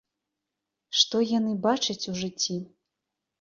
Што яны бачаць у жыцці?